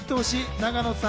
永野さん